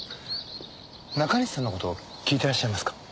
中西さんの事聞いてらっしゃいますか？